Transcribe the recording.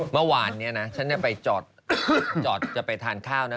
เมื่อวานนี้นะฉันไปจอดจะไปทานข้าวนะ